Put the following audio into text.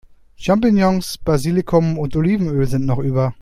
Champignons, Basilikum und Olivenöl sind noch über.